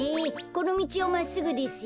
このみちをまっすぐですよ。